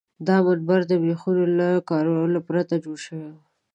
دا منبر د میخونو له کارولو پرته جوړ شوی و.